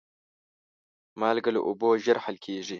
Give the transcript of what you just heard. مالګه له اوبو ژر حل کېږي.